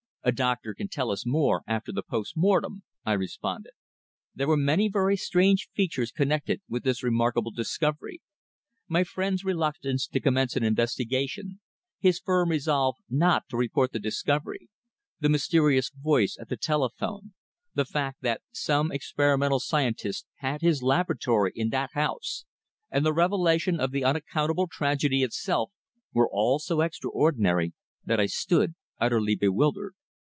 A doctor can tell us more after the post mortem," I responded. There were many very strange features connected with this remarkable discovery. My friend's reluctance to commence an investigation, his firm resolve not to report the discovery, the mysterious voice at the telephone, the fact that some experimental scientist had his laboratory in that house, and the revelation of the unaccountable tragedy itself, were all so extraordinary that I stood utterly bewildered.